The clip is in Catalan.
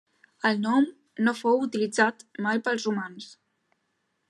El nom no fou utilitzat mai pels romans.